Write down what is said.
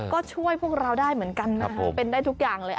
ก็ช่วยพวกเราได้เหมือนกันนะคะเป็นได้ทุกอย่างเลย